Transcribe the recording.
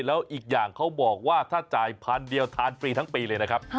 แล้วอีกอย่างเขาบอกว่าถ้าจ่ายพันเดียวทานฟรีทั้งปีเลยนะครับ